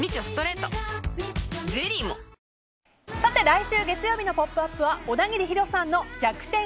来週月曜日の「ポップＵＰ！」は小田切ヒロさんの逆転！